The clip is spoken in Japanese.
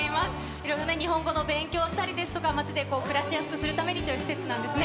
いろいろ日本語の勉強をしたりですとか、町で暮らしやすくするためにという施設なんですね。